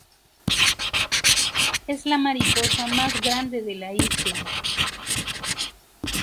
Es la mariposa más grande de la isla.